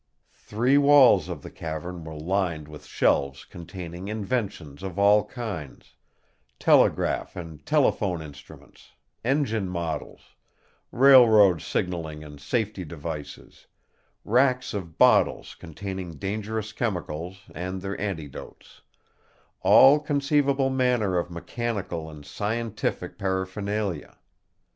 Three walls of the cavern were lined with shelves containing inventions of all kinds telegraph and telephone instruments, engine models, railroad signaling and safety devices, racks of bottles containing dangerous chemicals and their antidotes all conceivable manner of mechanical and scientific paraphernalia.